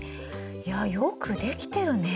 いやよく出来てるね。